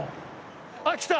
あっ来た！